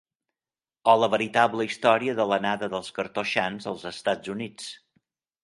O la veritable història de l'anada dels cartoixans als Estats Units.